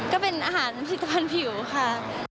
ก็เป็นอาหารผลิตภัณฑ์ผิวค่ะ